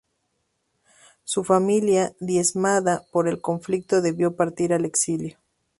Su familia, diezmada por el conflicto, debió partir al exilio.